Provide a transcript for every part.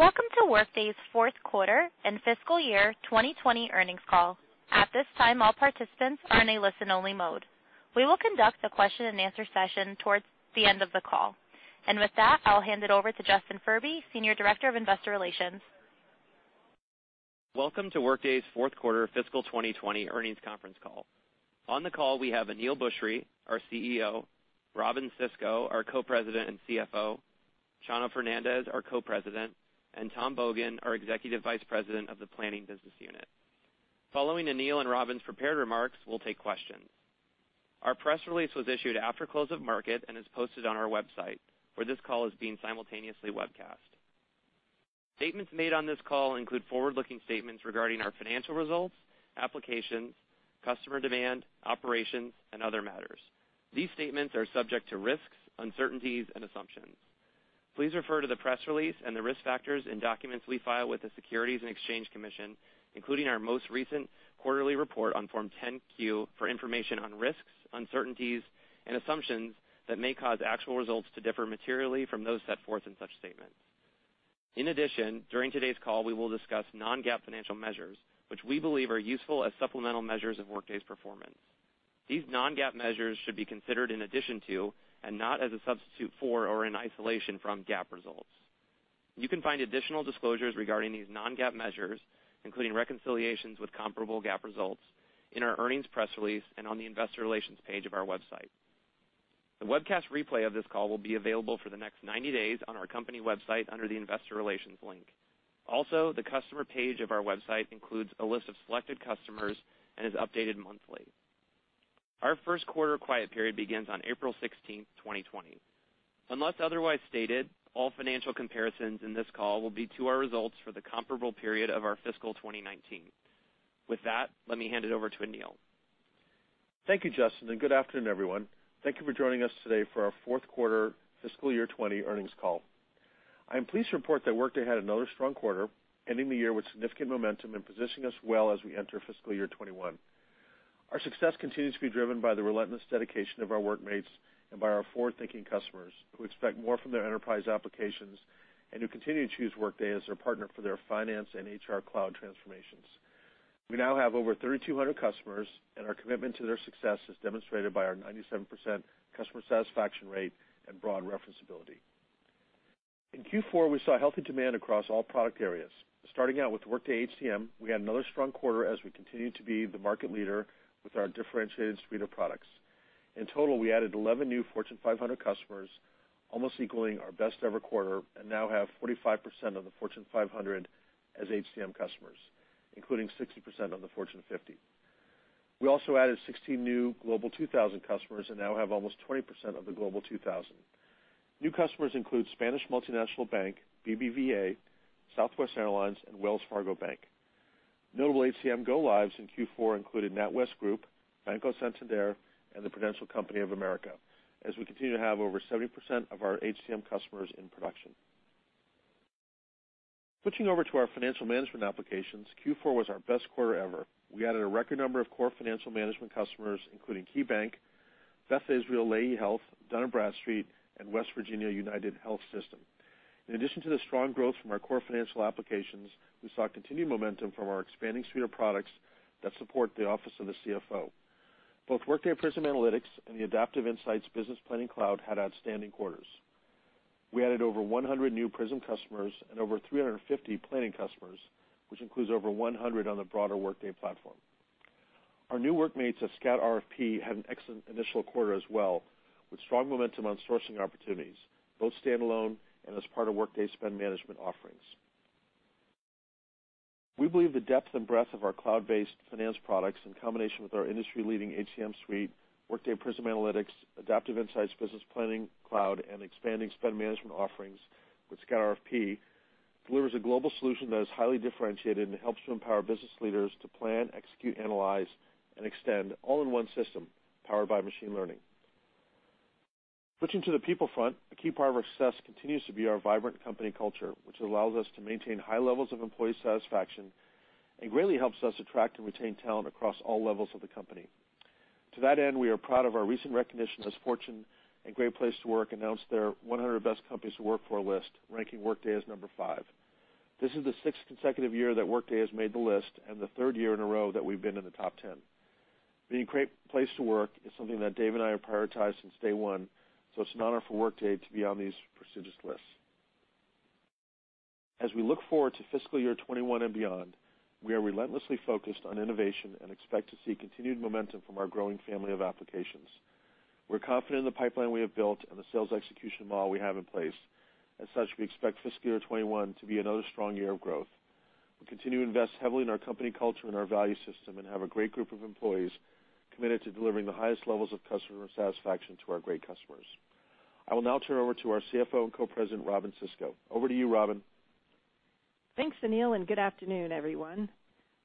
Welcome to Workday's fourth quarter and fiscal year 2020 earnings call. At this time, all participants are in a listen only mode. We will conduct a question and answer session towards the end of the call. With that, I'll hand it over to Justin Furby, Senior Director of Investor Relations. Welcome to Workday's fourth quarter fiscal 2020 earnings conference call. On the call we have Aneel Bhusri, our CEO, Robynne Sisco, our Co-President and CFO, Chano Fernandez, our Co-President, and Tom Bogan, our Executive Vice President of the Planning business unit. Following Aneel and Robyn's prepared remarks, we'll take questions. Our press release was issued after close of market and is posted on our website, where this call is being simultaneously webcast. Statements made on this call include forward-looking statements regarding our financial results, applications, customer demand, operations, and other matters. These statements are subject to risks, uncertainties, and assumptions. Please refer to the press release and the risk factors in documents we file with the Securities and Exchange Commission, including our most recent quarterly report on Form 10-Q, for information on risks, uncertainties and assumptions that may cause actual results to differ materially from those set forth in such statements. In addition, during today's call, we will discuss non-GAAP financial measures, which we believe are useful as supplemental measures of Workday's performance. These non-GAAP measures should be considered in addition to, and not as a substitute for or in isolation from GAAP results. You can find additional disclosures regarding these non-GAAP measures, including reconciliations with comparable GAAP results, in our earnings press release and on the investor relations page of our website. The webcast replay of this call will be available for the next 90 days on our company website under the investor relations link. Also, the customer page of our website includes a list of selected customers and is updated monthly. Our first quarter quiet period begins on April 16th, 2020. Unless otherwise stated, all financial comparisons in this call will be to our results for the comparable period of our fiscal 2019. With that, let me hand it over to Aneel. Thank you, Justin. Good afternoon, everyone. Thank you for joining us today for our fourth quarter fiscal year 2020 earnings call. I am pleased to report that Workday had another strong quarter, ending the year with significant momentum and positioning us well as we enter fiscal year 2021. Our success continues to be driven by the relentless dedication of our Workmates and by our forward-thinking customers who expect more from their enterprise applications and who continue to choose Workday as their partner for their finance and HR cloud transformations. We now have over 3,200 customers. Our commitment to their success is demonstrated by our 97% customer satisfaction rate and broad referenceability. In Q4, we saw healthy demand across all product areas. Starting out with Workday HCM, we had another strong quarter as we continue to be the market leader with our differentiated suite of products. In total, we added 11 new Fortune 500 customers, almost equaling our best ever quarter, and now have 45% of the Fortune 500 as HCM customers, including 60% of the Fortune 50. We also added 16 new Global 2000 customers and now have almost 20% of the Global 2000. New customers include Spanish multinational bank BBVA, Southwest Airlines, and Wells Fargo Bank. Notable HCM go lives in Q4 included NatWest Group, Banco Santander, and the Prudential Company of America, as we continue to have over 70% of our HCM customers in production. Switching over to our financial management applications, Q4 was our best quarter ever. We added a record number of core financial management customers, including KeyBank, Beth Israel Lahey Health, Dun & Bradstreet, and West Virginia University Health System. In addition to the strong growth from our core financial applications, we saw continued momentum from our expanding suite of products that support the office of the CFO. Both Workday Prism Analytics and the Adaptive Insights Business Planning Cloud had outstanding quarters. We added over 100 new Prism customers and over 350 planning customers, which includes over 100 on the broader Workday platform. Our new Workmates at Scout RFP had an excellent initial quarter as well, with strong momentum on sourcing opportunities, both standalone and as part of Workday Spend Management offerings. We believe the depth and breadth of our cloud-based finance products, in combination with our industry-leading HCM suite, Workday Prism Analytics, Adaptive Insights Business Planning Cloud, and expanding Workday Spend Management offerings with Scout RFP, delivers a global solution that is highly differentiated and helps to empower business leaders to plan, execute, analyze, and extend all in one system powered by machine learning. Switching to the people front, a key part of our success continues to be our vibrant company culture, which allows us to maintain high levels of employee satisfaction and greatly helps us attract and retain talent across all levels of the company. To that end, we are proud of our recent recognition as Fortune and Great Place to Work announced their 100 Best Companies to Work For list, ranking Workday as number five. This is the sixth consecutive year that Workday has made the list and the third year in a row that we've been in the top 10. Being a Great Place to Work is something that Dave and I have prioritized since day one, so it's an honor for Workday to be on these prestigious lists. As we look forward to fiscal year 2021 and beyond, we are relentlessly focused on innovation and expect to see continued momentum from our growing family of applications. We're confident in the pipeline we have built and the sales execution model we have in place. As such, we expect fiscal year 2021 to be another strong year of growth. We continue to invest heavily in our company culture and our value system and have a great group of employees committed to delivering the highest levels of customer satisfaction to our great customers. I will now turn over to our CFO and Co-President, Robynne Sisco. Over to you, Robynne. Thanks, Aneel. Good afternoon, everyone.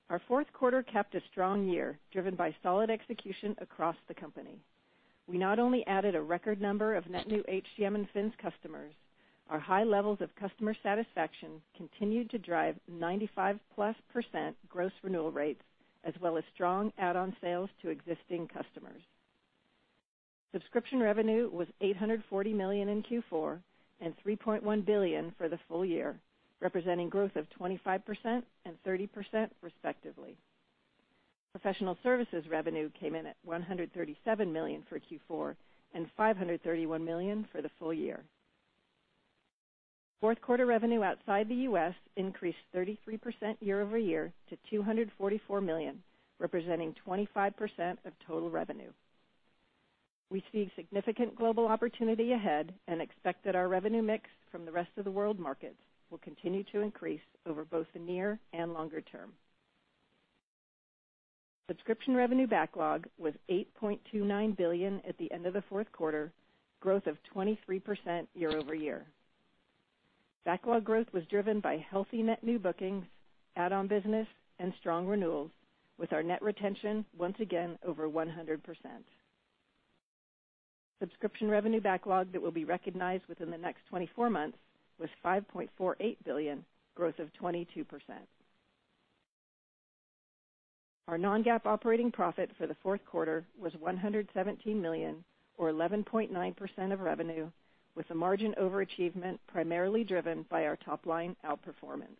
Our fourth quarter capped a strong year, driven by solid execution across the company. We not only added a record number of net new HCM and Fins customers Our high levels of customer satisfaction continued to drive +95% gross renewal rates, as well as strong add-on sales to existing customers. Subscription revenue was $840 million in Q4, and $3.1 billion for the full year, representing growth of 25% and 30%, respectively. Professional services revenue came in at $137 million for Q4, and $531 million for the full year. Fourth quarter revenue outside the U.S. increased 33% year-over-year to $244 million, representing 25% of total revenue. We see significant global opportunity ahead and expect that our revenue mix from the rest of the world markets will continue to increase over both the near and longer term. Subscription revenue backlog was $8.29 billion at the end of the fourth quarter, growth of 23% year-over-year. Backlog growth was driven by healthy net new bookings, add-on business, and strong renewals, with our net retention once again over 100%. Subscription revenue backlog that will be recognized within the next 24 months was $5.48 billion, growth of 22%. Our non-GAAP operating profit for the fourth quarter was $117 million, or 11.9% of revenue, with a margin overachievement primarily driven by our top-line outperformance.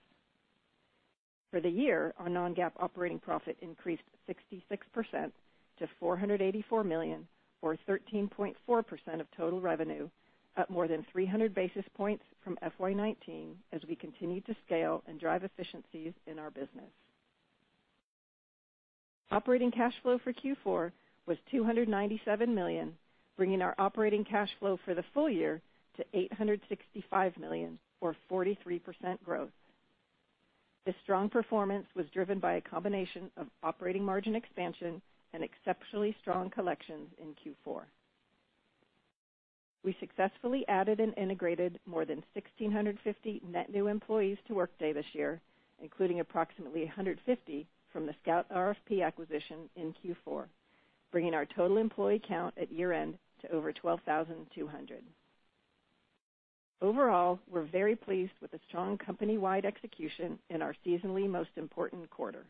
For the year, our non-GAAP operating profit increased 66% to $484 million, or 13.4% of total revenue, up more than 300 basis points from FY 2019 as we continued to scale and drive efficiencies in our business. Operating cash flow for Q4 was $297 million, bringing our operating cash flow for the full year to $865 million, or 43% growth. This strong performance was driven by a combination of operating margin expansion and exceptionally strong collections in Q4. We successfully added and integrated more than 1,650 net new employees to Workday this year, including approximately 150 from the Scout RFP acquisition in Q4, bringing our total employee count at year-end to over 12,200. Overall, we're very pleased with the strong company-wide execution in our seasonally most important quarter.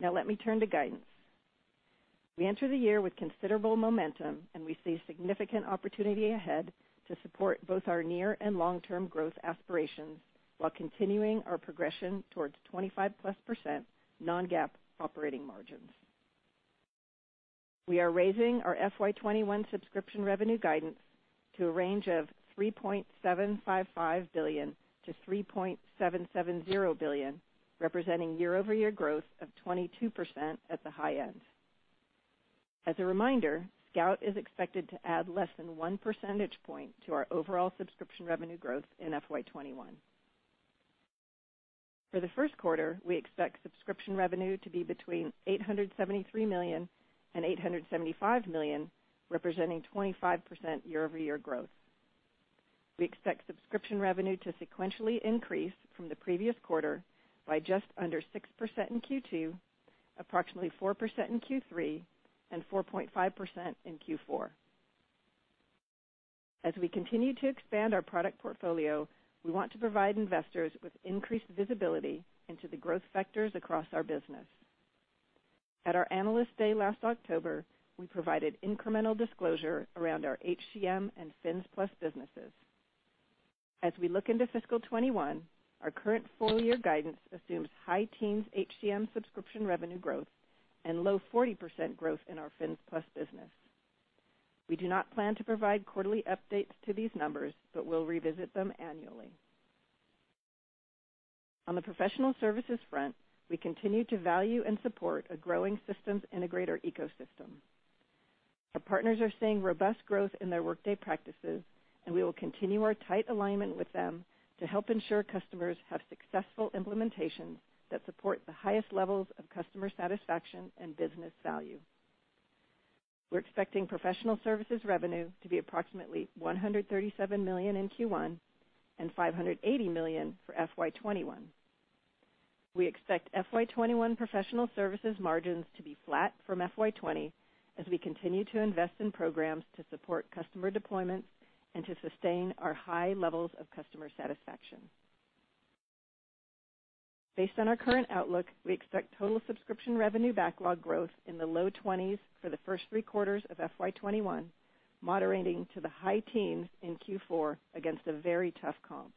Now let me turn to guidance. We enter the year with considerable momentum, and we see significant opportunity ahead to support both our near and long-term growth aspirations while continuing our progression towards 25-plus% non-GAAP operating margins. We are raising our FY 2021 subscription revenue guidance to a range of $3.755 billion-$3.770 billion, representing year-over-year growth of 22% at the high end. As a reminder, Scout is expected to add less than one percentage point to our overall subscription revenue growth in FY 2021. For the first quarter, we expect subscription revenue to be between $873 million and $875 million, representing 25% year-over-year growth. We expect subscription revenue to sequentially increase from the previous quarter by just under 6% in Q2, approximately 4% in Q3, and 4.5% in Q4. As we continue to expand our product portfolio, we want to provide investors with increased visibility into the growth vectors across our business. At our Analyst Day last October, we provided incremental disclosure around our HCM and Fins Plus businesses. As we look into fiscal 2021, our current full-year guidance assumes high teens HCM subscription revenue growth and low 40% growth in our Fins Plus business. We do not plan to provide quarterly updates to these numbers, but we'll revisit them annually. On the professional services front, we continue to value and support a growing systems integrator ecosystem. Our partners are seeing robust growth in their Workday practices, and we will continue our tight alignment with them to help ensure customers have successful implementations that support the highest levels of customer satisfaction and business value. We're expecting professional services revenue to be approximately $137 million in Q1, and $580 million for FY 2021. We expect FY 2021 professional services margins to be flat from FY 2020 as we continue to invest in programs to support customer deployments and to sustain our high levels of customer satisfaction. Based on our current outlook, we expect total subscription revenue backlog growth in the low 20s for the first three quarters of FY 2021, moderating to the high teens in Q4 against a very tough comp.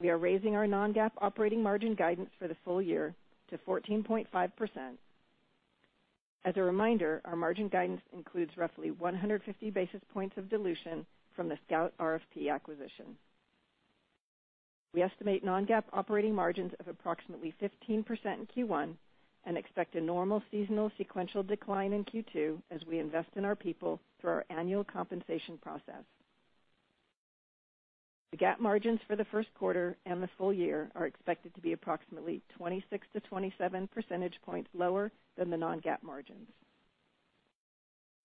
We are raising our non-GAAP operating margin guidance for the full year to 14.5%. As a reminder, our margin guidance includes roughly 150 basis points of dilution from the Scout RFP acquisition. We estimate non-GAAP operating margins of approximately 15% in Q1 and expect a normal seasonal sequential decline in Q2 as we invest in our people through our annual compensation process. The GAAP margins for the first quarter and the full year are expected to be approximately 26-27 percentage points lower than the non-GAAP margins.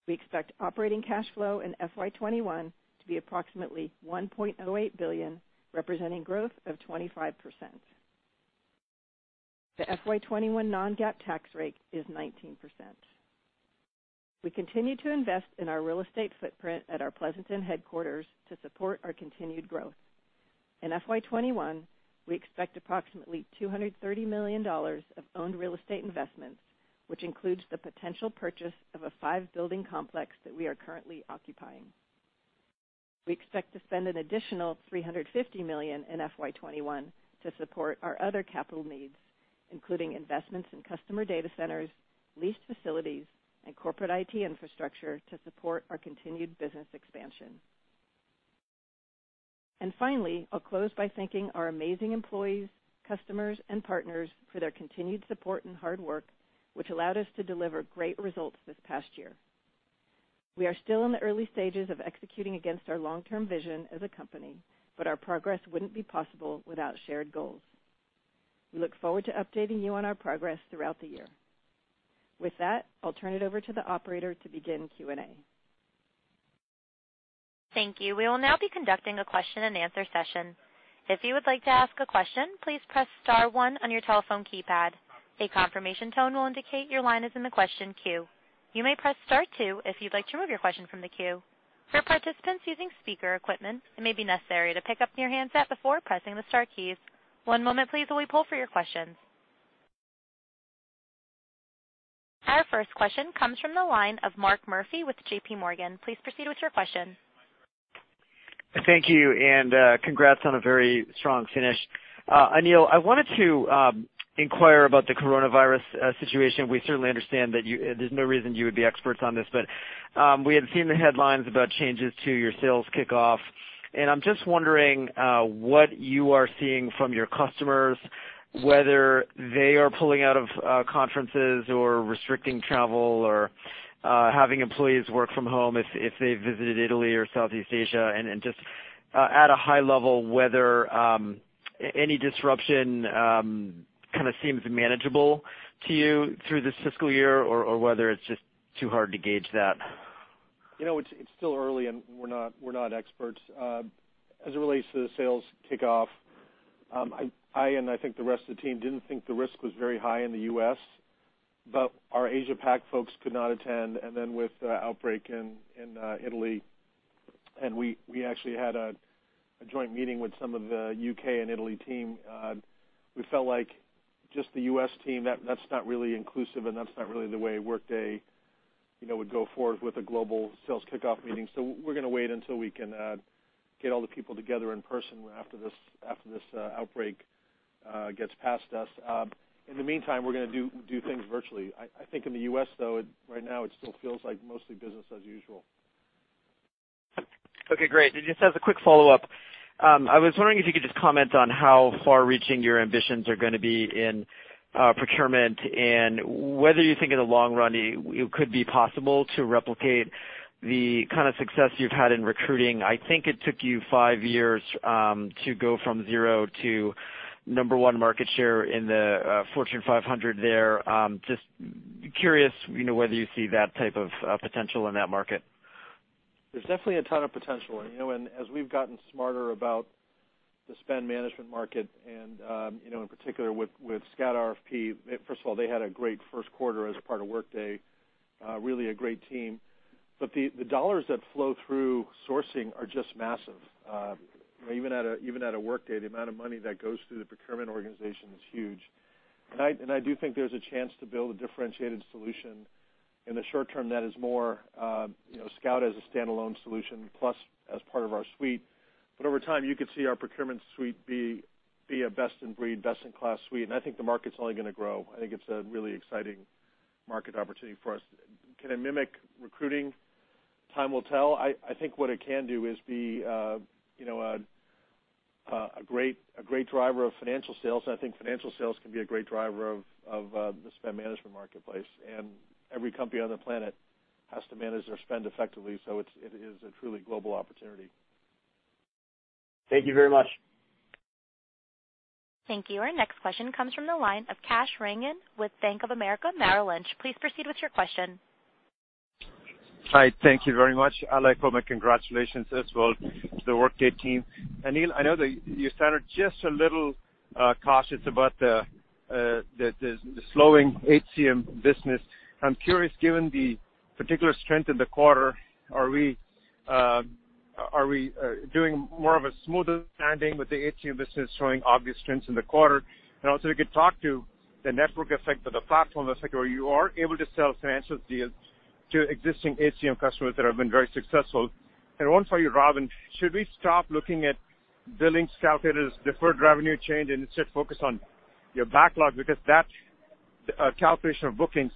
We expect operating cash flow in FY 2021 to be approximately $1.08 billion, representing growth of 25%. The FY 2021 non-GAAP tax rate is 19%. We continue to invest in our real estate footprint at our Pleasanton headquarters to support our continued growth. In FY 2021, we expect approximately $230 million of owned real estate investments, which includes the potential purchase of a five-building complex that we are currently occupying. We expect to spend an additional $350 million in FY 2021 to support our other capital needs, including investments in customer data centers, leased facilities, and corporate IT infrastructure to support our continued business expansion. Finally, I'll close by thanking our amazing employees, customers, and partners for their continued support and hard work, which allowed us to deliver great results this past year. We are still in the early stages of executing against our long-term vision as a company, but our progress wouldn't be possible without shared goals. We look forward to updating you on our progress throughout the year. With that, I'll turn it over to the operator to begin Q&A. Thank you. We will now be conducting a question and answer session. If you would like to ask a question, please press star one on your telephone keypad. A confirmation tone will indicate your line is in the question queue. You may press star two if you'd like to remove your question from the queue. For participants using speaker equipment, it may be necessary to pick up your handset before pressing the star keys. One moment, please, while we poll for your questions. Our first question comes from the line of Mark Murphy with JPMorganChase. Please proceed with your question. Thank you, congrats on a very strong finish. Aneel, I wanted to inquire about the coronavirus situation. We certainly understand that there's no reason you would be experts on this, but we had seen the headlines about changes to your sales kickoff. I'm just wondering what you are seeing from your customers, whether they are pulling out of conferences or restricting travel or having employees work from home if they've visited Italy or Southeast Asia, and just at a high level, whether any disruption kind of seems manageable to you through this fiscal year or whether it's just too hard to gauge that. It's still early, and we're not experts. As it relates to the sales kickoff, I think the rest of the team didn't think the risk was very high in the U.S., but our Asia Pac folks could not attend. Then with the outbreak in Italy, we actually had a joint meeting with some of the U.K. and Italy team. We felt like just the U.S. team, that's not really inclusive, and that's not really the way Workday would go forward with a global sales kickoff meeting. We're going to wait until we can get all the people together in person after this outbreak gets past us. In the meantime, we're going to do things virtually. I think in the U.S., though, right now it still feels like mostly business as usual. Okay, great. Just as a quick follow-up, I was wondering if you could just comment on how far-reaching your ambitions are going to be in procurement and whether you think in the long run it could be possible to replicate the kind of success you've had in recruiting. I think it took you five years to go from zero to number one market share in the Fortune 500 there. Just curious whether you see that type of potential in that market. There's definitely a ton of potential. As we've gotten smarter about the spend management market and, in particular with Scout RFP, first of all, they had a great first quarter as part of Workday, really a great team. The dollars that flow through sourcing are just massive. Even at Workday, the amount of money that goes through the procurement organization is huge. I do think there's a chance to build a differentiated solution in the short term that is more Scout as a standalone solution, plus as part of our suite. Over time, you could see our procurement suite be a best-in-breed, best-in-class suite. I think the market's only going to grow. I think it's a really exciting market opportunity for us. Can it mimic recruiting? Time will tell. I think what it can do is be a great driver of financial sales, and I think financial sales can be a great driver of the spend management marketplace. Every company on the planet has to manage their spend effectively, so it is a truly global opportunity. Thank you very much. Thank you. Our next question comes from the line of Kash Rangan with Bank of America Merrill Lynch. Please proceed with your question. Hi. Thank you very much. I'd like to offer my congratulations as well to the Workday team. Aneel, I know that you sounded just a little cautious about the slowing HCM business. I'm curious, given the particular strength in the quarter, are we doing more of a smoother landing with the HCM business showing obvious strengths in the quarter? Also, you could talk to the network effect or the platform effect, where you are able to sell financial deals to existing HCM customers that have been very successful. One for you, Robynne, should we stop looking at billings calculated as deferred revenue change and instead focus on your backlog? That calculation of bookings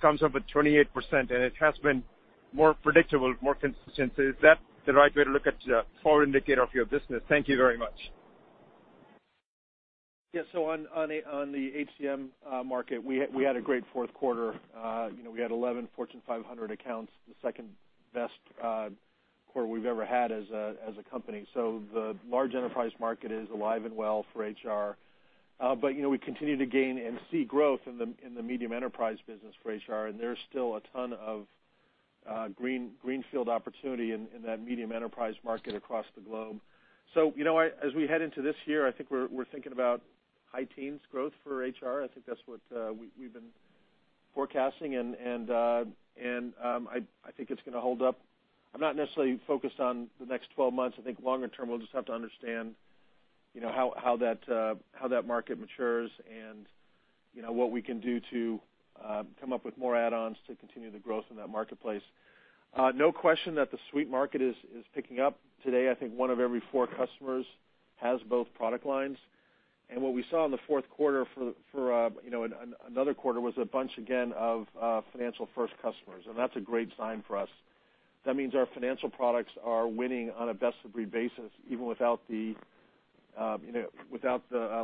comes up at 28%, and it has been more predictable, more consistent. Is that the right way to look at the forward indicator of your business? Thank you very much. On the HCM market, we had a great fourth quarter. We had 11 Fortune 500 accounts, the second-best quarter we've ever had as a company. The large enterprise market is alive and well for HR. We continue to gain and see growth in the medium enterprise business for HR, and there's still a ton of. Greenfield opportunity in that medium enterprise market across the globe. As we head into this year, I think we're thinking about high teens growth for HR. I think that's what we've been forecasting, and I think it's going to hold up. I'm not necessarily focused on the next 12 months. I think longer term, we'll just have to understand how that market matures and what we can do to come up with more add-ons to continue the growth in that marketplace. No question that the suite market is picking up. Today, I think one of every four customers has both product lines. What we saw in the fourth quarter for another quarter was a bunch again of financial first customers. That's a great sign for us. That means our financial products are winning on a best-of-breed basis, even without the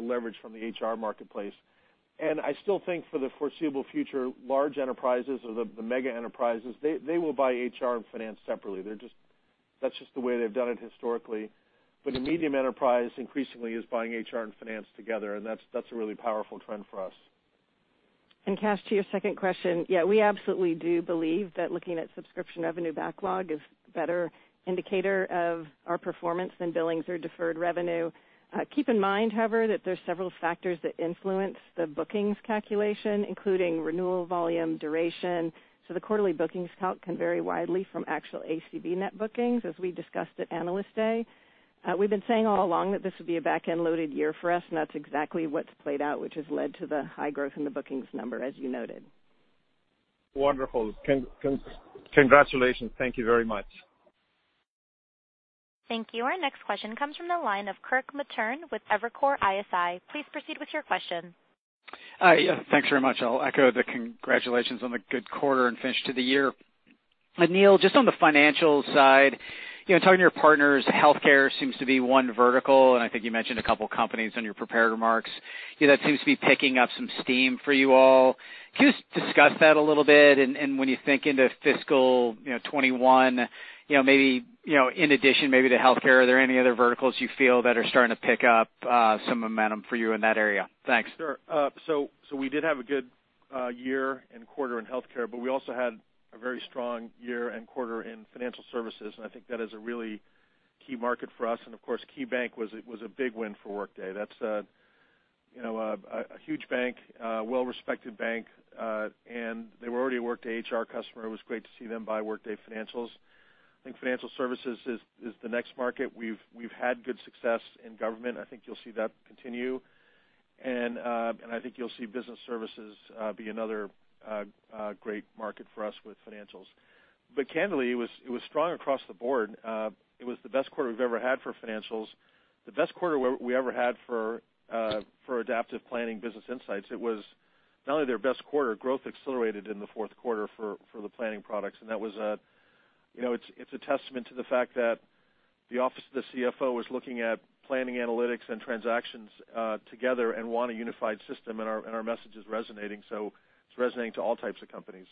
leverage from the HR marketplace. I still think for the foreseeable future, large enterprises or the mega enterprises, they will buy HR and finance separately. That's just the way they've done it historically. The medium enterprise increasingly is buying HR and finance together, and that's a really powerful trend for us. Kash, to your second question, yeah, we absolutely do believe that looking at subscription revenue backlog is a better indicator of our performance than billings or deferred revenue. Keep in mind, however, that there's several factors that influence the bookings calculation, including renewal volume, duration. The quarterly bookings count can vary widely from actual ACV net bookings, as we discussed at Analyst Day. We've been saying all along that this would be a back-end loaded year for us, and that's exactly what's played out, which has led to the high growth in the bookings number, as you noted. Wonderful. Congratulations. Thank you very much. Thank you. Our next question comes from the line of Kirk Materne with Evercore ISI. Please proceed with your question. Hi. Yeah, thanks very much. I'll echo the congratulations on the good quarter and finish to the year. Aneel, just on the financials side, talking to your partners, healthcare seems to be one vertical, and I think you mentioned a couple companies in your prepared remarks. Seems to be picking up some steam for you all. Can you just discuss that a little bit? When you think into FY 2021, maybe in addition to healthcare, are there any other verticals you feel that are starting to pick up some momentum for you in that area? Thanks. Sure. We did have a good year and quarter in healthcare, but we also had a very strong year and quarter in financial services, and I think that is a really key market for us. Of course, KeyBanc Capital Markets was a big win for Workday. That's a huge bank, a well-respected bank. They were already a Workday HR customer. It was great to see them buy Workday financials. I think financial services is the next market. We've had good success in government. I think you'll see that continue, and I think you'll see business services be another great market for us with financials. Candidly, it was strong across the board. It was the best quarter we've ever had for financials, the best quarter we ever had for Adaptive Planning business insights. It was not only their best quarter, growth accelerated in the fourth quarter for the planning products. It's a testament to the fact that the office of the CFO is looking at planning, analytics, and transactions together and want a unified system, and our message is resonating. It's resonating to all types of companies.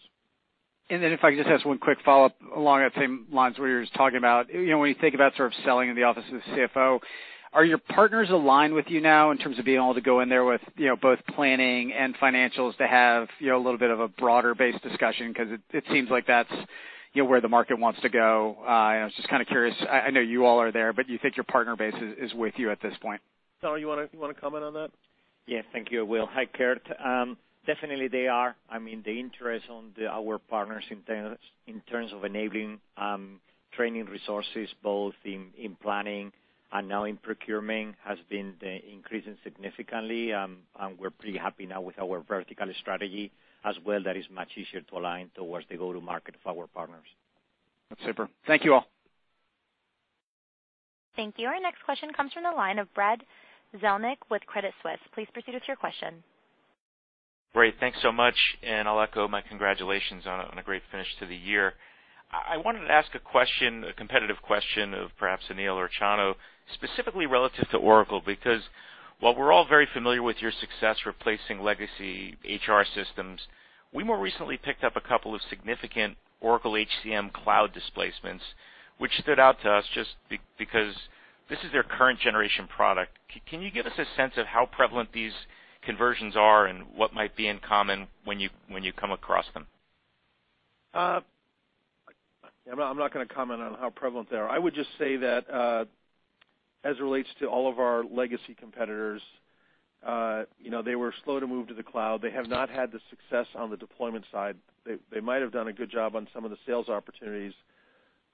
If I could just ask one quick follow-up along the same lines where you were just talking about, when you think about selling in the office of the CFO, are your partners aligned with you now in terms of being able to go in there with both planning and financials to have a little bit of a broader base discussion? It seems like that's where the market wants to go. I was just kind of curious. I know you all are there, but do you think your partner base is with you at this point? Chano, you want to comment on that? Yeah. Thank you, Aneel. Hi, Kirk. Definitely they are. The interest on our partners in terms of enabling training resources, both in planning and now in procurement, has been increasing significantly. We're pretty happy now with our vertical strategy as well. That is much easier to align towards the go-to-market for our partners. That's super. Thank you all. Thank you. Our next question comes from the line of Brad Zelnick with Credit Suisse. Please proceed with your question. Great. Thanks so much, and I'll echo my congratulations on a great finish to the year. I wanted to ask a question, a competitive question, of perhaps Aneel or Chano, specifically relative to Oracle, because while we're all very familiar with your success replacing legacy HR systems, we more recently picked up a couple of significant Oracle HCM Cloud displacements, which stood out to us just because this is their current generation product. Can you give us a sense of how prevalent these conversions are and what might be in common when you come across them? I'm not going to comment on how prevalent they are. I would just say that, as it relates to all of our legacy competitors, they were slow to move to the cloud. They have not had the success on the deployment side. They might have done a good job on some of the sales opportunities,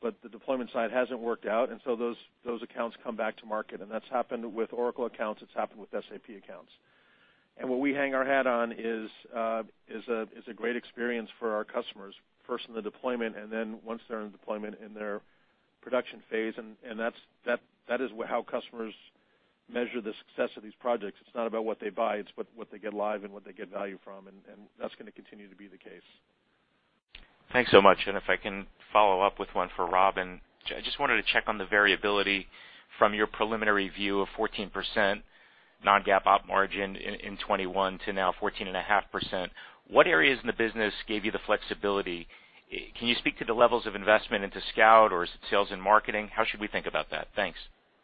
but the deployment side hasn't worked out. Those accounts come back to market, and that's happened with Oracle accounts, it's happened with SAP accounts. What we hang our hat on is a great experience for our customers, first in the deployment, and then once they're in deployment, in their production phase. That is how customers measure the success of these projects. It's not about what they buy, it's what they get live and what they get value from, and that's going to continue to be the case. Thanks so much. If I can follow up with one for Robynne. I just wanted to check on the variability from your preliminary view of 14% non-GAAP op margin in 2021 to now 14.5%. What areas in the business gave you the flexibility? Can you speak to the levels of investment into Scout or is it sales and marketing? How should we think about that? Thanks.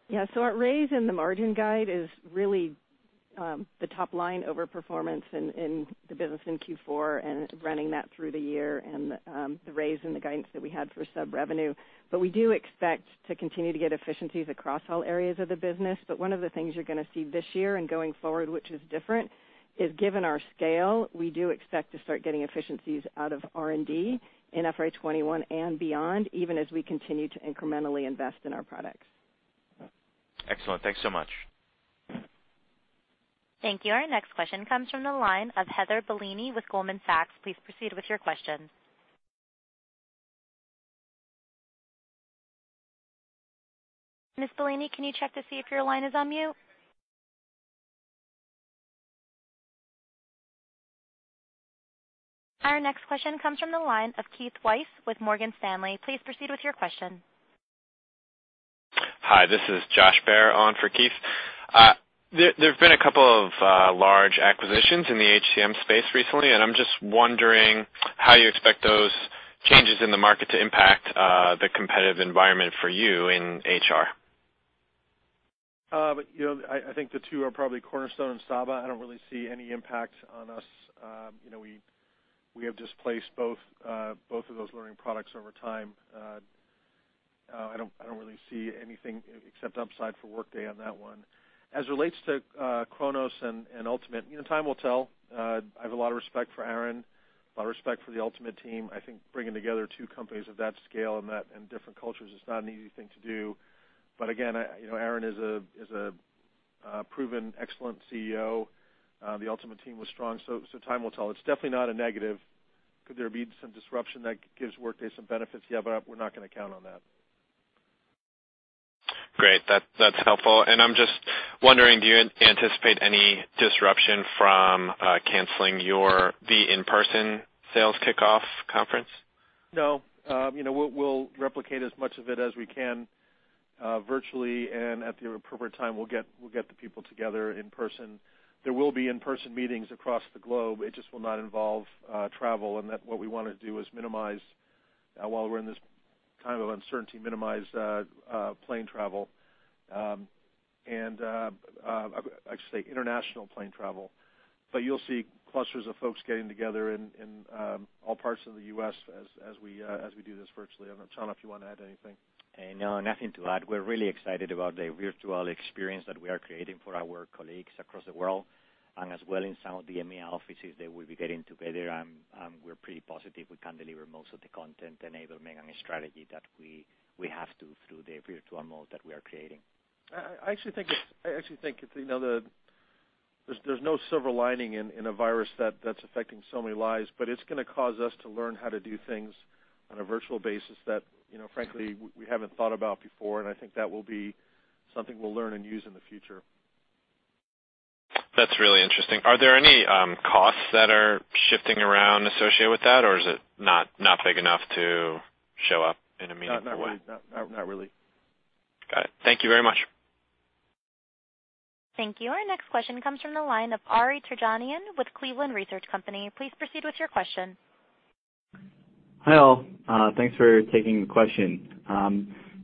Yeah. Our raise in the margin guide is really the top line over performance in the business in Q4 and running that through the year and the raise in the guidance that we had for sub revenue. We do expect to continue to get efficiencies across all areas of the business. One of the things you're going to see this year and going forward, which is different, is given our scale, we do expect to start getting efficiencies out of R&D in FY 2021 and beyond, even as we continue to incrementally invest in our products. Excellent. Thanks so much. Thank you. Our next question comes from the line of Heather Bellini with Goldman Sachs. Please proceed with your question. Ms. Bellini, can you check to see if your line is on mute? Our next question comes from the line of Keith Weiss with Morgan Stanley. Please proceed with your question. Hi, this is Josh Baer on for Keith. There's been a couple of large acquisitions in the HCM space recently, I'm just wondering how you expect those changes in the market to impact the competitive environment for you in HR. I think the two are probably Cornerstone and Saba. I don't really see any impact on us. We have displaced both of those learning products over time. I don't really see anything except upside for Workday on that one. As relates to Kronos and Ultimate, time will tell. I have a lot of respect for Aron, a lot of respect for the Ultimate team. I think bringing together two companies of that scale and different cultures is not an easy thing to do. Again, Aron is a proven excellent CEO. The Ultimate team was strong. Time will tell. It's definitely not a negative. Could there be some disruption that gives Workday some benefits? Yeah, we're not going to count on that. Great. That's helpful. I'm just wondering, do you anticipate any disruption from canceling the in-person sales kickoff conference? No. We'll replicate as much of it as we can virtually. At the appropriate time, we'll get the people together in person. There will be in-person meetings across the globe. It just will not involve travel. What we want to do is minimize, while we're in this kind of uncertainty, minimize plane travel, and I should say international plane travel. You'll see clusters of folks getting together in all parts of the U.S. as we do this virtually. I don't know, Chano, if you want to add anything. No, nothing to add. We're really excited about the virtual experience that we are creating for our colleagues across the world, and as well in some of the EMEA offices that we'll be getting together, and we're pretty positive we can deliver most of the content enablement and the strategy that we have to through the virtual mode that we are creating. I actually think there's no silver lining in a virus that's affecting so many lives. It's going to cause us to learn how to do things on a virtual basis that, frankly, we haven't thought about before. I think that will be something we'll learn and use in the future. That's really interesting. Are there any costs that are shifting around associated with that, or is it not big enough to show up in a meaningful way? Not really. Got it. Thank you very much. Thank you. Our next question comes from the line of Ari Terjanian with Cleveland Research Company. Please proceed with your question. Hi all. Thanks for taking the question.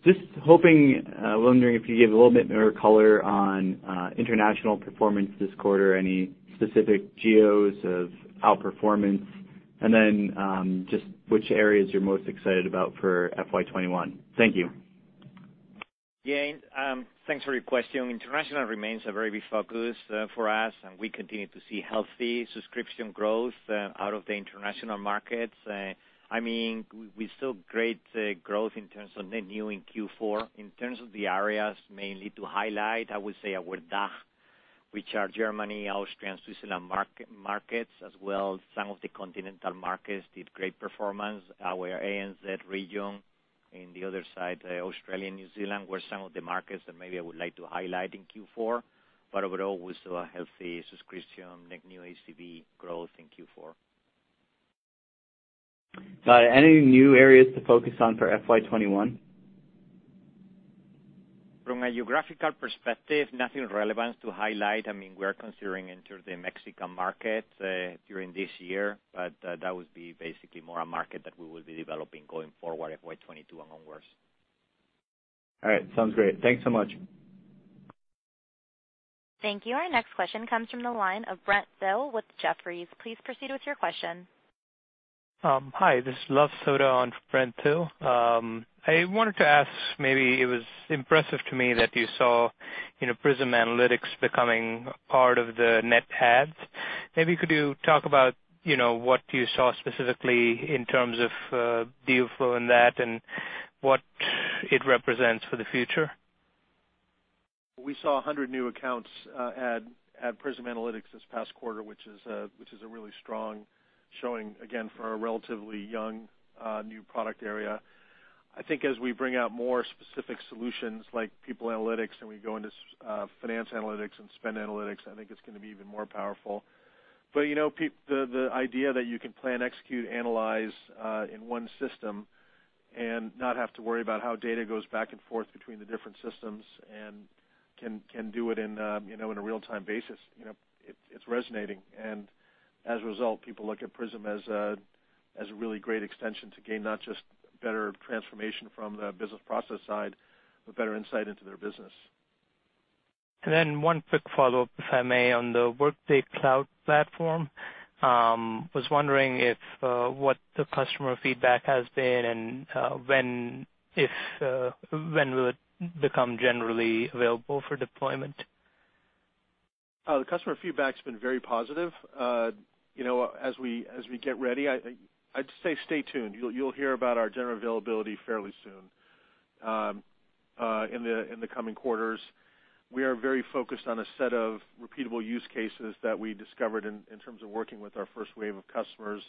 Just wondering if you could give a little bit more color on international performance this quarter, any specific geos of outperformance, just which areas you're most excited about for FY 2021. Thank you. Yeah. Thanks for your question. International remains a very big focus for us, and we continue to see healthy subscription growth out of the international markets. We saw great growth in terms of net new in Q4. In terms of the areas mainly to highlight, I would say our DACH, which are Germany, Austria, and Switzerland markets as well. Some of the continental markets did great performance. Our ANZ region in the other side, Australia and New Zealand, were some of the markets that maybe I would like to highlight in Q4. Overall, we saw a healthy subscription net new ACV growth in Q4. Got it. Any new areas to focus on for FY 2021? From a geographical perspective, nothing relevant to highlight. We're considering entering the Mexican market during this year, but that would be basically more a market that we will be developing going forward, FY 2022 and onwards. All right. Sounds great. Thanks so much. Thank you. Our next question comes from the line of Brent Thill with Jefferies. Please proceed with your question. Hi, this is Luv Sodha on for Brent Thill. I wanted to ask, maybe it was impressive to me that you saw Workday Prism Analytics becoming part of the net adds. Maybe could you talk about what you saw specifically in terms of deal flow in that and what it represents for the future? We saw 100 new accounts add Prism Analytics this past quarter, which is a really strong showing, again, for a relatively young, new product area. I think as we bring out more specific solutions like people analytics, and we go into finance analytics and spend analytics, I think it's going to be even more powerful. The idea that you can plan, execute, analyze in one system and not have to worry about how data goes back and forth between the different systems, and can do it in a real-time basis, it's resonating. As a result, people look at Prism as a really great extension to gain not just better transformation from the business process side, but better insight into their business. Then one quick follow-up, if I may, on the Workday Cloud Platform. I was wondering what the customer feedback has been and when will it become generally available for deployment? The customer feedback's been very positive. As we get ready, I'd say stay tuned. You'll hear about our general availability fairly soon in the coming quarters. We are very focused on a set of repeatable use cases that we discovered in terms of working with our first wave of customers,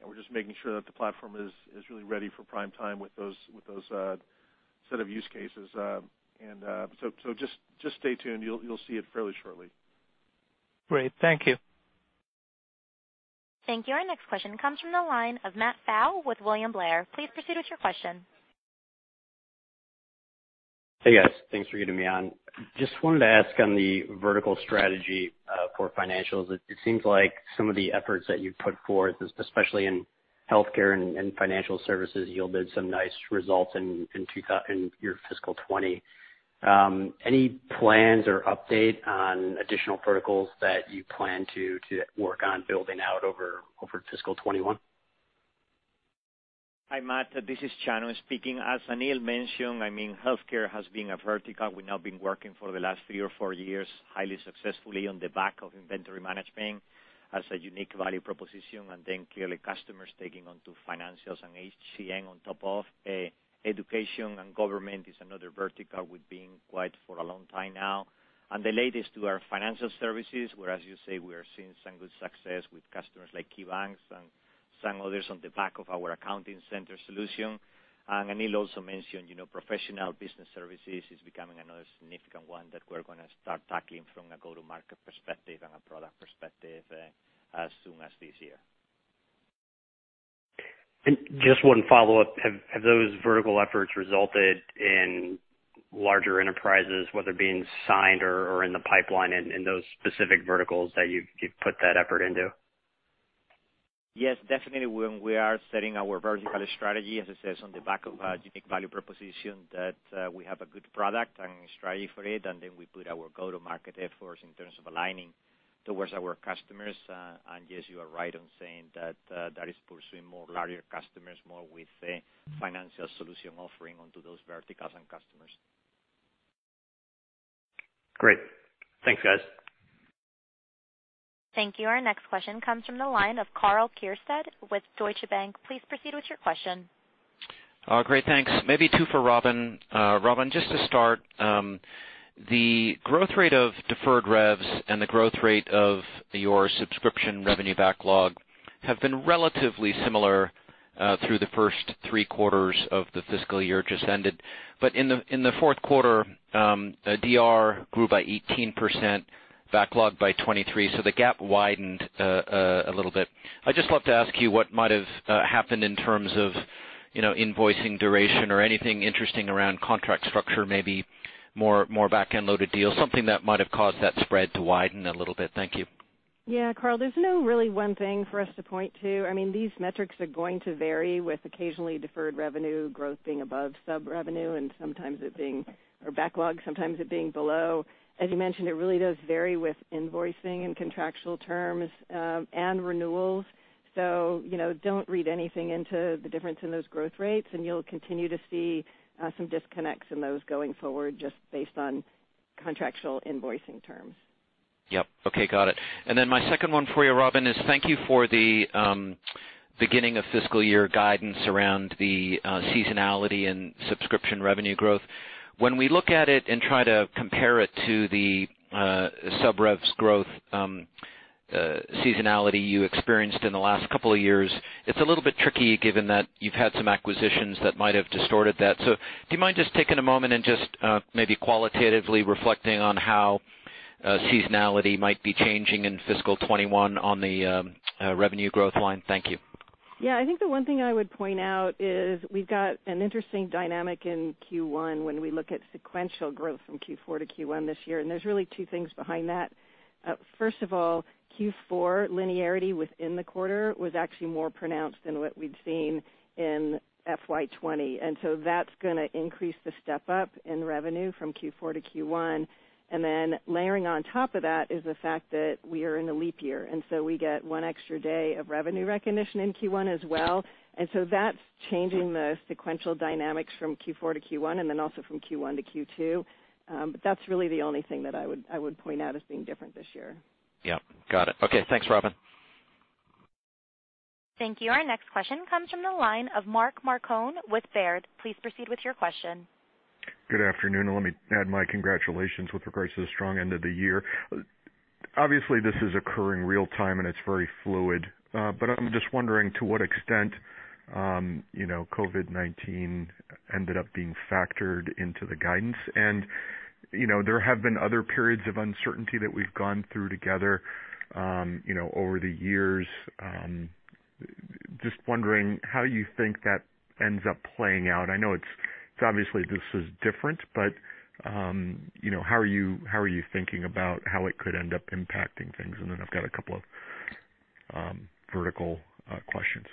and we're just making sure that the platform is really ready for prime time with those set of use cases. Just stay tuned. You'll see it fairly shortly. Great. Thank you. Thank you. Our next question comes from the line of Matt Pfau with William Blair. Please proceed with your question. Hey, guys. Thanks for getting me on. Just wanted to ask on the vertical strategy for financials. It seems like some of the efforts that you've put forth, especially in healthcare and financial services, yielded some nice results in your fiscal 2020. Any plans or update on additional verticals that you plan to work on building out over fiscal 2021? Hi, Matt. This is Chano speaking. As Aneel mentioned, healthcare has been a vertical. We've now been working for the last three or four years, highly successfully on the back of inventory management as a unique value proposition, then clearly customers taking onto financials and HCM on top of education and government is another vertical we've been quite for a long time now. The latest to our financial services, where, as you say, we are seeing some good success with customers like KeyBanc Capital Markets and some others on the back of our Workday Accounting Center solution. Aneel also mentioned professional business services is becoming another significant one that we're going to start tackling from a go-to-market perspective and a product perspective as soon as this year. Just one follow-up. Have those vertical efforts resulted in larger enterprises, whether being signed or in the pipeline in those specific verticals that you've put that effort into? Yes, definitely when we are setting our vertical strategy, as I says, on the back of a unique value proposition, that we have a good product and strategy for it. Then we put our go-to-market efforts in terms of aligning towards our customers. Yes, you are right in saying that is pursuing more larger customers, more with a financial solution offering onto those verticals and customers. Great. Thanks, guys. Thank you. Our next question comes from the line of Karl Keirstead with Deutsche Bank. Please proceed with your question. Great, thanks. Maybe two for Robynne. Robynne, just to start, the growth rate of deferred revs and the growth rate of your subscription revenue backlog have been relatively similar through the first three quarters of the fiscal year just ended. In the fourth quarter, DR grew by 18%, backlog by 23%, so the gap widened a little bit. I'd just love to ask you what might have happened in terms of invoicing duration or anything interesting around contract structure, maybe more back-end loaded deals, something that might have caused that spread to widen a little bit. Thank you. Yeah, Karl, there's no really one thing for us to point to. These metrics are going to vary with occasionally deferred revenue growth being above subscription revenue and sometimes it being our backlog, sometimes it being below. As you mentioned, it really does vary with invoicing and contractual terms and renewals. Don't read anything into the difference in those growth rates, and you'll continue to see some disconnects in those going forward just based on contractual invoicing terms. Yep. Okay, got it. Then my second one for you, Robynne, is thank you for the beginning of fiscal year guidance around the seasonality and subscription revenue growth. When we look at it and try to compare it to the sub-rev's growth seasonality you experienced in the last couple of years, it's a little bit tricky given that you've had some acquisitions that might have distorted that. Do you mind just taking a moment and just maybe qualitatively reflecting on how seasonality might be changing in FY 2021 on the revenue growth line? Thank you. Yeah. I think the one thing I would point out is we've got an interesting dynamic in Q1 when we look at sequential growth from Q4-Q1 this year, and there's really two things behind that. First of all, Q4 linearity within the quarter was actually more pronounced than what we'd seen in FY20, and so that's going to increase the step-up in revenue from Q4-Q1. Layering on top of that is the fact that we are in a leap year, and so we get one extra day of revenue recognition in Q1 as well. That's changing the sequential dynamics from Q4-Q1, and then also from Q1-Q2. That's really the only thing that I would point out as being different this year. Yep. Got it. Okay. Thanks, Robynne. Thank you. Our next question comes from the line of Mark Marcon with Baird. Please proceed with your question. Good afternoon. Let me add my congratulations with regards to the strong end of the year. Obviously, this is occurring real time, and it's very fluid. I'm just wondering to what extent COVID-19 ended up being factored into the guidance. There have been other periods of uncertainty that we've gone through together over the years. Just wondering how you think that ends up playing out. Obviously, this is different, but how are you thinking about how it could end up impacting things? I've got a couple of vertical questions.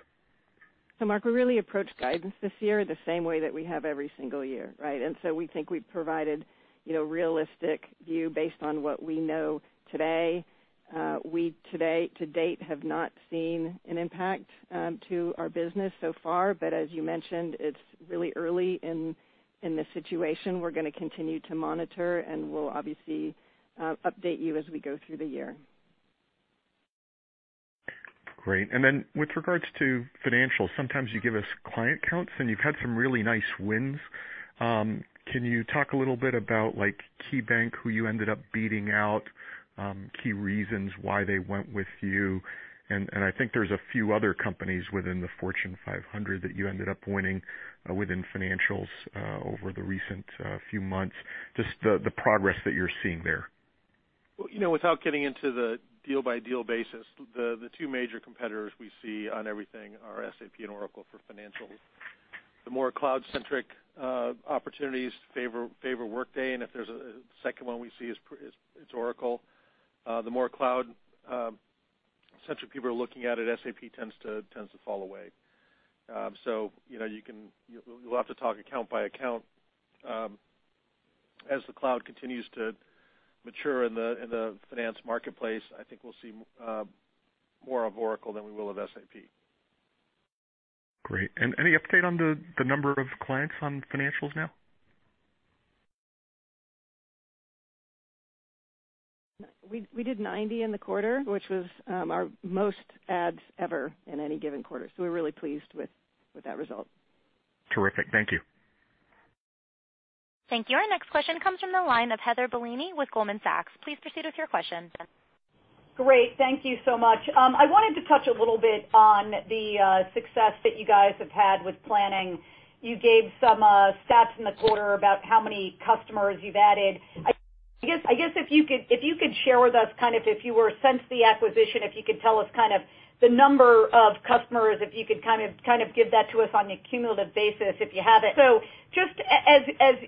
Mark, we really approached guidance this year the same way that we have every single year, right? We think we've provided a realistic view based on what we know today. We, to date, have not seen an impact to our business so far. As you mentioned, it's really early in the situation. We're going to continue to monitor, and we'll obviously update you as we go through the year. Great. Then with regards to financials, sometimes you give us client counts, and you've had some really nice wins. Can you talk a little bit about KeyBank, who you ended up beating out, key reasons why they went with you? I think there's a few other companies within the Fortune 500 that you ended up winning within financials over the recent few months. Just the progress that you're seeing there. Well, without getting into the deal-by-deal basis, the two major competitors we see on everything are SAP and Oracle for financials. The more cloud-centric opportunities favor Workday, and if there's a second one we see, it's Oracle. The more cloud-centric people are looking at it, SAP tends to fall away. You'll have to talk account by account. As the cloud continues to mature in the finance marketplace, I think we'll see more of Oracle than we will of SAP. Great. Any update on the number of clients on financials now? We did 90 in the quarter, which was our most adds ever in any given quarter. We're really pleased with that result. Terrific. Thank you. Thank you. Our next question comes from the line of Heather Bellini with Goldman Sachs. Please proceed with your question. Great. Thank you so much. I wanted to touch a little bit on the success that you guys have had with Planning. You gave some stats in the quarter about how many customers you've added. If you could share with us, since the acquisition, if you could tell us the number of customers, if you could give that to us on a cumulative basis, if you have it.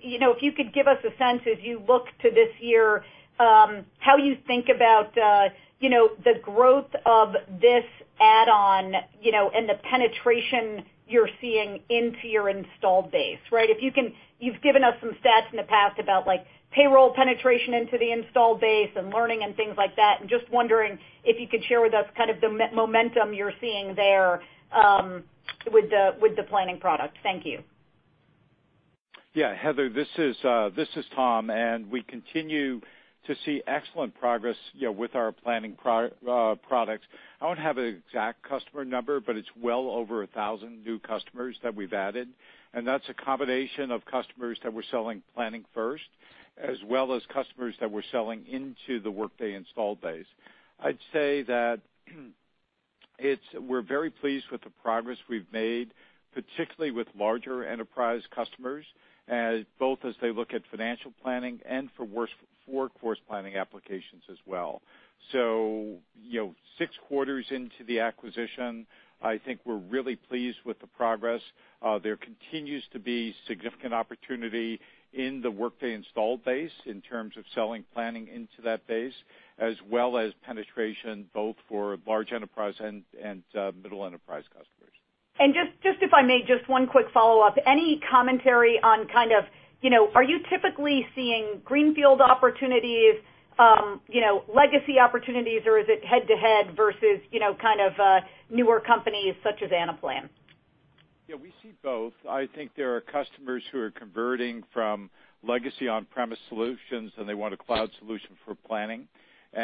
If you could give us a sense as you look to this year, how you think about the growth of this add-on, and the penetration you're seeing into your installed base. You've given us some stats in the past about payroll penetration into the installed base and learning and things like that. Wondering if you could share with us the momentum you're seeing there with the Planning product. Thank you. Yeah. Heather, this is Tom. We continue to see excellent progress with our planning products. I don't have an exact customer number, but it's well over 1,000 new customers that we've added, and that's a combination of customers that we're selling planning first, as well as customers that we're selling into the Workday installed base. I'd say that we're very pleased with the progress we've made, particularly with larger enterprise customers, both as they look at financial planning and for workforce planning applications as well. Six quarters into the acquisition, I think we're really pleased with the progress. There continues to be significant opportunity in the Workday installed base in terms of selling planning into that base, as well as penetration, both for large enterprise and middle enterprise customers. Just if I may, just one quick follow-up. Any commentary on are you typically seeing greenfield opportunities, legacy opportunities, or is it head-to-head versus newer companies such as Anaplan? Yeah, we see both. I think there are customers who are converting from legacy on-premise solutions, and they want a cloud solution for planning. They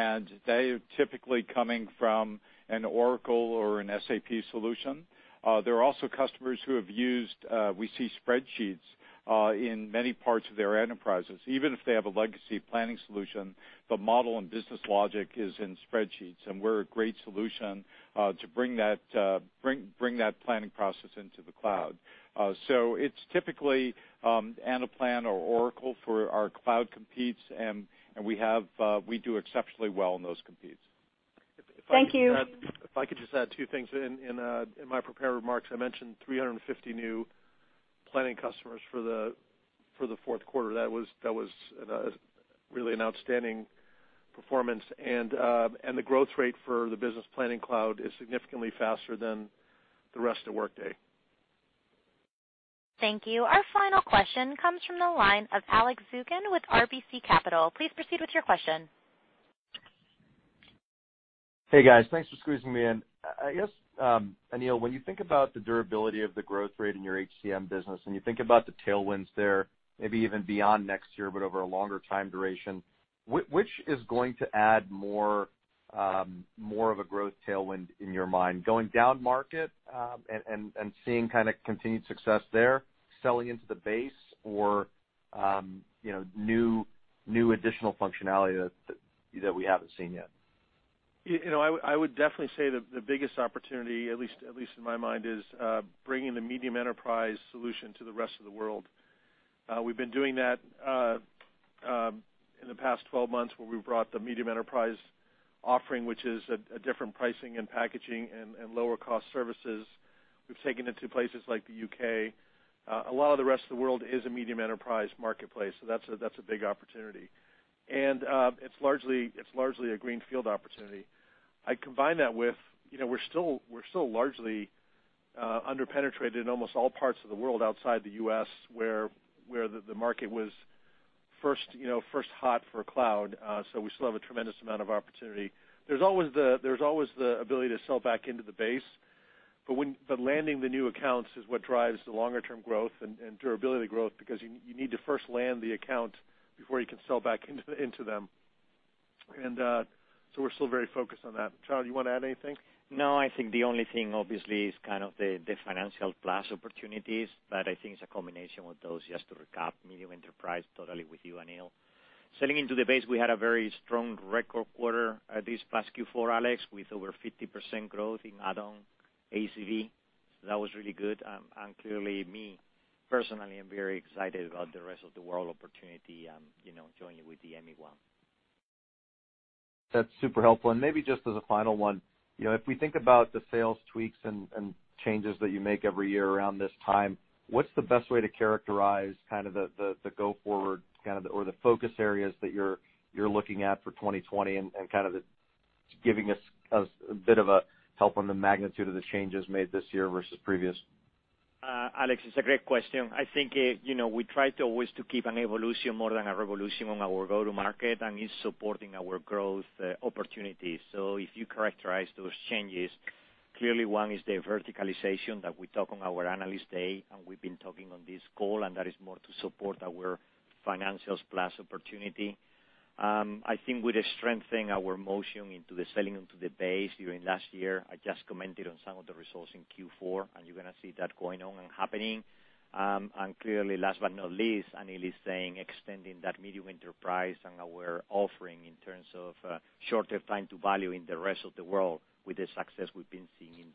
are typically coming from an Oracle or an SAP solution. There are also customers who have used, we see spreadsheets in many parts of their enterprises. Even if they have a legacy planning solution, the model and business logic is in spreadsheets, and we're a great solution to bring that planning process into the cloud. It's typically Anaplan or Oracle for our cloud competes, and we do exceptionally well in those competes. Thank you. If I could just add two things. In my prepared remarks, I mentioned 350 new planning customers for the fourth quarter. That was really an outstanding performance. The growth rate for the business planning cloud is significantly faster than the rest of Workday. Thank you. Our final question comes from the line of Alex Zukin with RBC Capital Markets. Please proceed with your question. Hey, guys. Thanks for squeezing me in. I guess, Aneel, when you think about the durability of the growth rate in your HCM business, and you think about the tailwinds there, maybe even beyond next year, but over a longer time duration, which is going to add more of a growth tailwind in your mind, going down market, and seeing continued success there, selling into the base or new additional functionality that we haven't seen yet? I would definitely say the biggest opportunity, at least in my mind, is bringing the medium enterprise solution to the rest of the world. We've been doing that in the past 12 months, where we've brought the medium enterprise offering, which is a different pricing and packaging and lower-cost services. We've taken it to places like the U.K. A lot of the rest of the world is a medium enterprise marketplace. That's a big opportunity. It's largely a greenfield opportunity. I combine that with, we're still largely under-penetrated in almost all parts of the world outside the U.S., where the market was first hot for cloud. We still have a tremendous amount of opportunity. There's always the ability to sell back into the base, but landing the new accounts is what drives the longer-term growth and durability growth, because you need to first land the account before you can sell back into them. We're still very focused on that. Chano, you want to add anything? No, I think the only thing obviously is kind of the Financials Plus opportunities, but I think it's a combination with those, just to recap, medium enterprise totally with you, Aneel. Selling into the base, we had a very strong record quarter this past Q4, Alex, with over 50% growth in add-on ACV. That was really good. Clearly, me personally, I'm very excited about the rest of the world opportunity, joining with the ME one. That's super helpful. Maybe just as a final one, if we think about the sales tweaks and changes that you make every year around this time, what's the best way to characterize kind of the go-forward or the focus areas that you're looking at for 2020 and kind of giving us a bit of a help on the magnitude of the changes made this year versus previous? Alex, it's a great question. I think we try to always to keep an evolution more than a revolution on our go-to market, and it's supporting our growth opportunities. If you characterize those changes, clearly one is the verticalization that we talk on our Analyst Day, and we've been talking on this call, and that is more to support our Financials Plus opportunity. I think with the strengthening our motion into the selling into the base during last year, I just commented on some of the results in Q4, and you're going to see that going on and happening. Clearly, last but not least, Aneel is saying extending that medium enterprise and our offering in terms of shorter time to value in the rest of the world with the success we've been seeing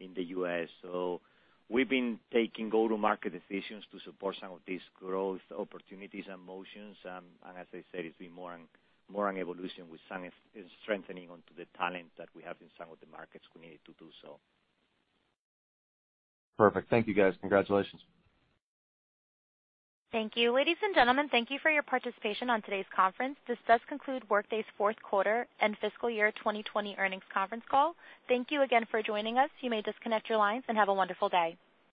in the U.S. We've been taking go-to-market decisions to support some of these growth opportunities and motions. As I said, it's been more an evolution with some strengthening onto the talent that we have in some of the markets we need to do so. Perfect. Thank you, guys. Congratulations. Thank you. Ladies and gentlemen, thank you for your participation on today's conference. This does conclude Workday's fourth quarter and fiscal year 2020 earnings conference call. Thank you again for joining us. You may disconnect your lines, and have a wonderful day.